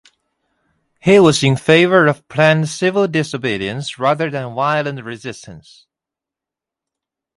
He was in favour of planned civil disobedience rather than violent resistance.